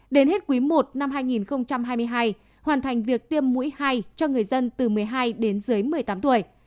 đến hết quý i năm hai nghìn hai mươi hai hoàn thành việc tiêm mũi hai cho người dân từ một mươi hai đến dưới một mươi tám tuổi